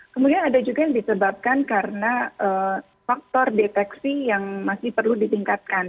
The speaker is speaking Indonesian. kemudian ada juga yang disebabkan karena faktor deteksi yang masih perlu ditingkatkan